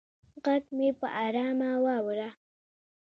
غږ مې په ارامه واوره